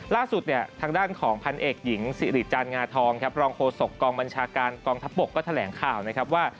ล่าสุดเนี่ยทางด้านของพันเอกหญิงสิริจันทร์งาทองครับรองโฆษกองบัญชาการกองทัพบกก็แถลงข่าวนะครับว่า